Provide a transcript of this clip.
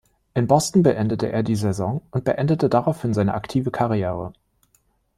In Boston beendete er die Saison und beendete daraufhin seine aktive Karriere.